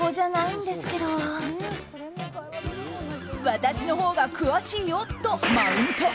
私のほうが詳しいよとマウント。